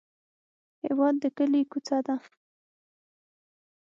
هېواد د کلي کوڅه ده.